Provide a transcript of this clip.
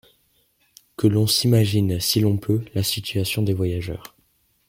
Que l’on s’imagine, si l’on peut, la situation des voyageurs.